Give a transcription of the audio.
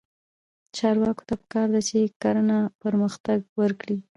چارواکو ته پکار ده چې، کرنه پرمختګ ورکړي.